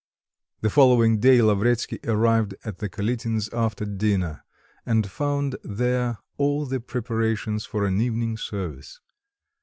The following day Lavretsky arrived at the Kalitins' after dinner and found there all the preparations for an evening service.